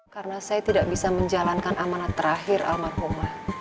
karena saya tidak bisa menjalankan amanat terakhir almarhumah